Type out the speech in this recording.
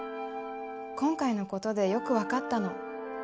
今回の事でよくわかったの。